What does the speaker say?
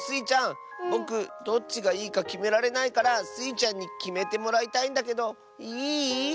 ちゃんぼくどっちがいいかきめられないからスイちゃんにきめてもらいたいんだけどいい？